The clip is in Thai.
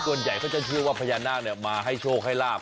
ส่วนใหญ่เขาจะเชื่อว่าพญานาคมาให้โชคให้ลาบ